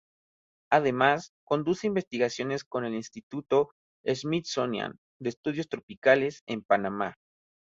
Además, conduce investigaciones con el Instituto Smithsonian de Estudios Tropicales, en Panamá.